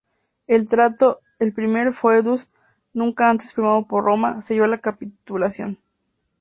El tratado, el primer "foedus" nunca antes firmado por Roma, selló la capitulación.